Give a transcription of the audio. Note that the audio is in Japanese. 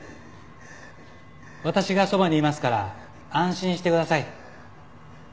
私がそばにいますから安心してください。